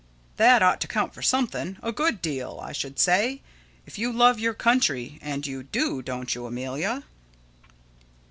That ought to count for something a good deal, I should say if you love your country, and you do, don't you, Amelia?